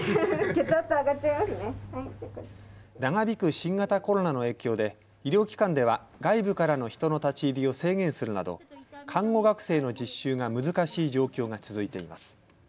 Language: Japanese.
長引く新型コロナの影響で医療機関では外部からの人の立ち入りを制限するなど看護学生の実習が難しい状況が続いています。